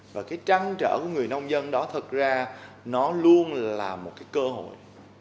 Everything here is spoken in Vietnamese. và cái trăng trở của người nông dân đó thật ra nó luôn là một cái cơ hội